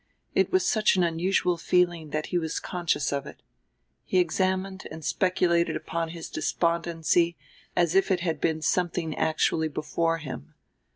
It was such an unusual feeling that he was conscious of it; he examined and speculated upon his despondency as if it had been something actually before him.